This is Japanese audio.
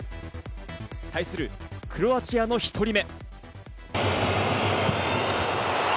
対するクロアチアの１人目。